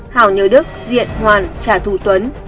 hảo nhớ đức diện hoàn trả thù tuấn